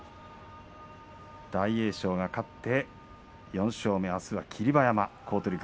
大栄翔が勝って４勝目あすは霧馬山、好取組。